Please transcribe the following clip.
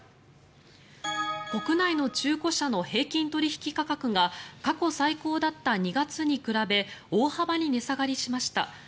国内の中古車の平均取引価格が過去最高だった２月に比べ大幅に値下がりしました。